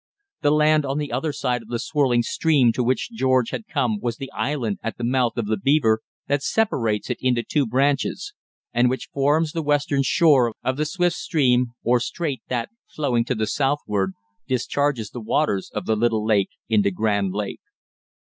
The land on the other side of the swirling stream to which George had come was the island at the mouth of the Beaver that separates it into two branches, and which forms the western shore of the swift stream or strait that, flowing to the southward, discharges the waters of the little lake into Grand Lake.